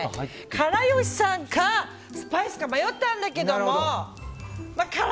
から好しさんかスパイスか迷ったんだけどから